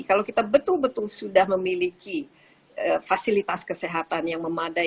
kalau kita betul betul sudah memiliki fasilitas kesehatan yang memadai